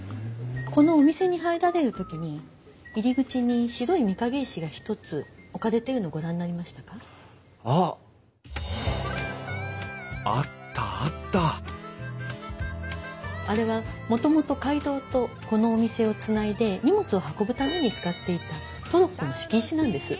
このお店に入られる時に入り口に白い御影石が一つ置かれているのをご覧になりましたか？あっ！あったあったあれはもともと街道とこのお店をつないで荷物を運ぶために使っていたトロッコの敷石なんです。